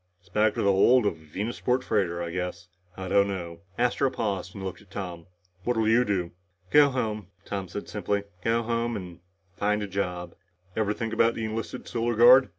"It's back to the hold of a Venusport freighter, I guess. I don't know." Astro paused and looked at Tom. "What'll you do?" "Go home," said Tom simply. "Go home and and find a job." "Ever think about the enlisted Solar Guard?